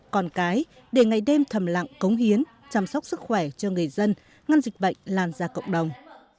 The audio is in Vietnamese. còn cái để ngày đêm thầm lặng cống hiến chăm sóc sức khỏe cho người dân ngăn dịch bệnh lan ra cộng đồng